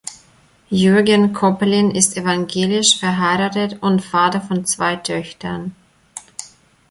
Jürgen Koppelin ist evangelisch, verheiratet und Vater von zwei Töchtern.